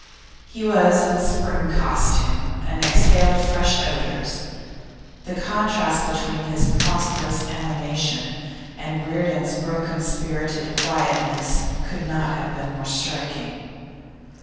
He was in spring costume, and exhaled fresh odours. The contrast between his prosperous animation and Reardon's broken spirited quietness could not have been more striking.